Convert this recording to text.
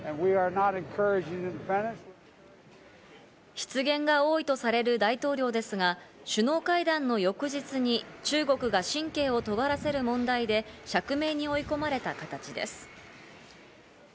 失言が多いとされる大統領ですが、首脳会談の翌日に中国が神経をとがらせる問題で釈明に追い込まれた形です。